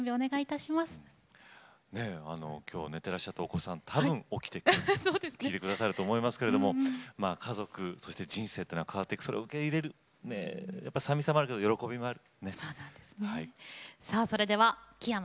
きょう、寝ていらっしゃったお子さん、たぶん起きて聴いてくださると思いますけど家族、そして人生が変わっていくそれを受け入れるさみしさもあるけど喜びもある。